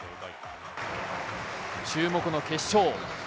注目の決勝。